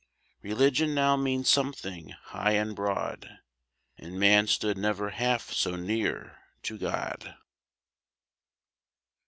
Religion now means something high and broad, And man stood never half so near to God.